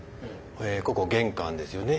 ここ玄関ですよね。